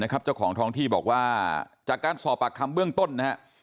ของทองที่บอกว่าจากการสอบปากคำเบื้องต้นนะฮะ